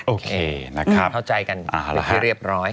โอเคนะครับเข้าใจกันให้เรียบร้อย